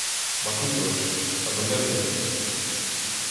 Μα τούτος! Να τον έβλεπες!